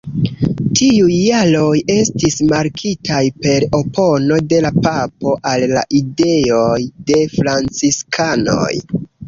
Tiuj jaroj estis markitaj per opono de la papo al la ideoj de franciskanoj.